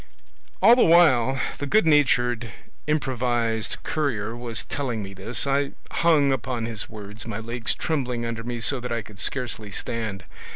"All the while the good natured improvised courier was telling me this, I hung upon his words, my legs trembling under me so that I could scarcely stand.